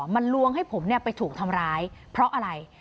มันลวงให้ผมไปถูกทำร้ายเพราะอะไร